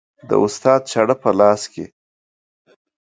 د استاد چاړه په لاس کې